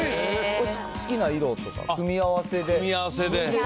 好きな色とか、組み合わせで。